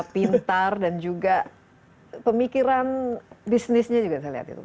pintar dan juga pemikiran bisnisnya juga saya lihat itu